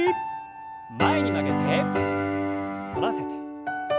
前に曲げて反らせて。